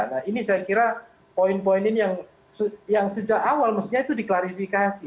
nah ini saya kira poin poin ini yang sejak awal mestinya itu diklarifikasi